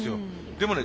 でもね